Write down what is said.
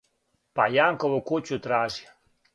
Па Јанкову кућу тражи,